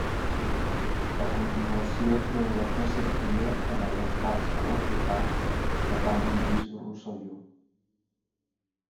A continuació féu la passantia en el despatx de l'advocat de Palma Lluís Rosselló.